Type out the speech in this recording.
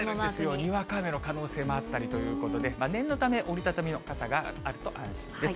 にわか雨の可能性もあったりということで、念のため、折り畳みの傘があると安心です。